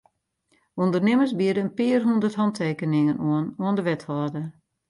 Undernimmers biede in pear hûndert hantekeningen oan oan de wethâlder.